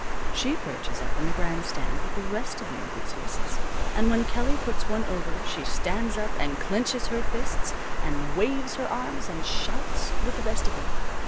She perches up in the grand stand with the rest of the enthusiasts, and when Kelly puts one over she stands up and clinches her fists, and waves her arms and shouts with the best of 'em.